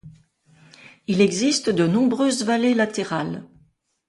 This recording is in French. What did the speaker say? Il existe de nombreuses vallées latérales.